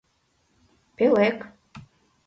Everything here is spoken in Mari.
— Пӧлек.